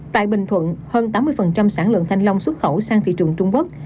tại bình thuận hơn tám mươi sản lượng thanh long xuất khẩu sang thị trường trung quốc